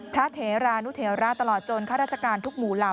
เทรานุเทราตลอดจนข้าราชการทุกหมู่เหล่า